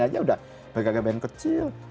aja udah bkkbn kecil